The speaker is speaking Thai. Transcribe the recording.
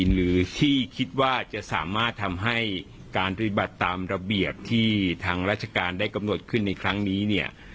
หรือที่คิดว่าจะสามารถทำให้การปฏิบัติตามระเบียบที่ทางราชการได้กำหนดขึ้นในครั้งนี้เนี่ย